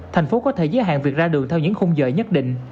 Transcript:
thành phố có thể giới hạn việc ra đường theo những khung giờ nhất định